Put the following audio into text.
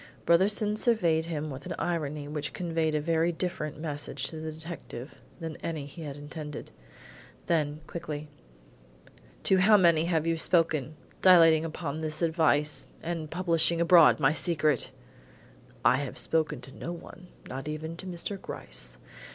Brotherson surveyed him with an irony which conveyed a very different message to the detective than any he had intended. Then quickly: "To how many have you spoken, dilating upon this device, and publishing abroad my secret?" "I have spoken to no one, not even to Mr. Gryce.